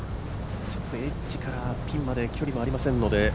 エッジからピンまで距離もありませんので。